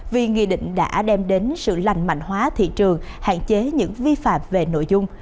vì nghị định đã đem đến sự lành mạnh hóa thị trường hạn chế những vi phạm về nội dung